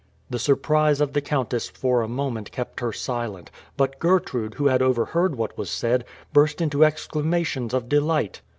The surprise of the countess for a moment kept her silent; but Gertrude, who had overheard what was said, burst into exclamations of delight.